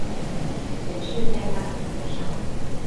顯示在大螢幕上